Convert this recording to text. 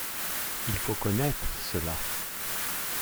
Il faut connaître cela.